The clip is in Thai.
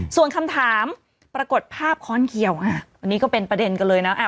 ส่วนคำถามปรากฏภาพค้อนเขียวอ่ะอันนี้ก็เป็นประเด็นกันเลยนะ